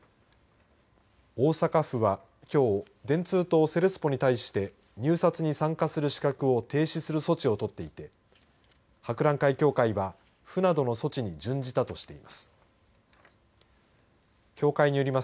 大阪府はきょう電通とセレスポに対して入札に参加する資格を停止する措置を取っていて博覧会協会は府などの措置に準じたとしています。